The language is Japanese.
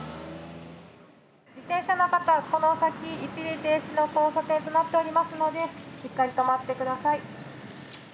自転車の方は、この先一時停止の交差点となっておりますのでしっかり止まってください。